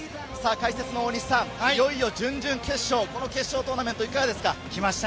解説の大西さん、いよいよ準々決勝、決勝トーナメント、いかがですか？